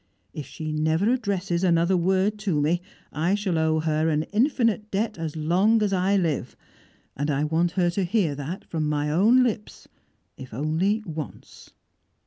If she never addresses another word to me, I shall owe her an infinite debt as long as I live. And I want her to hear that from my own lips, if only once."